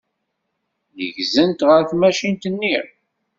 Neggzent ɣer tmacint-nni.